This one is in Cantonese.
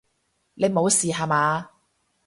你無事吓嘛！